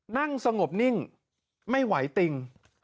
นั่งสงบนิ่งไม่ไหวติง